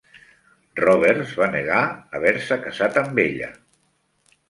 Roberts va negar haver-se casat amb ella.